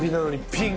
「ピン！」